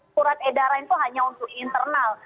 lain lain itu hanya untuk internal